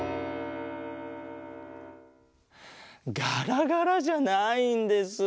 ガラガラじゃないんです。